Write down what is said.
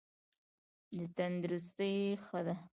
تندرستي ښه ده.